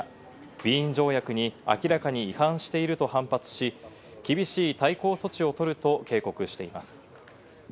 ウィーン条約に明らかに違反していると反発し、厳しい対抗措置をとると警告しています。